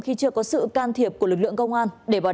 khi chưa có sự can thiệp của lực lượng công an để bảo đảm an toàn